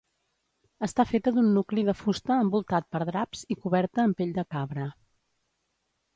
Està feta d'un nucli de fusta envoltat per draps i coberta amb pell de cabra.